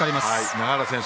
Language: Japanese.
永原選手